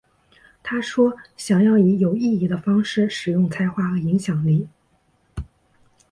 她说想要以有意义的方式使用才华和影响力。